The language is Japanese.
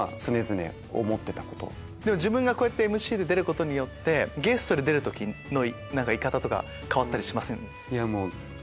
自分がこうやってＭＣで出ることによってゲストで出る時とか変わったりしません？